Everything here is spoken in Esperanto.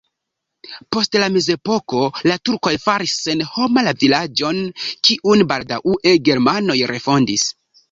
Post la mezepoko la turkoj faris senhoma la vilaĝon, kiun baldaŭe germanoj refondis.